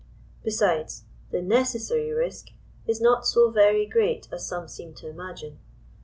Besides, the necessary risk is not so very great as some seem to imagine.